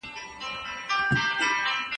سیاست جوړونکی باید کره معلومات ولري.